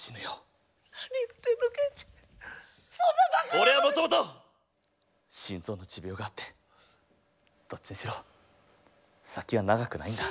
俺はもともと心臓の持病があってどっちにしろ先は長くないんだ。